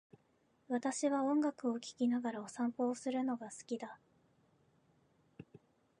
私は音楽を聴きながらお散歩をするのが好きだ。